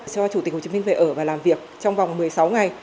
cho chủ tịch hồ chí minh về ở và làm việc trong vòng một mươi sáu ngày